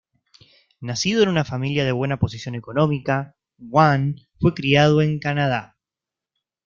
Nacido en una familia de buena posición económica, Kwan fue criado en Canadá.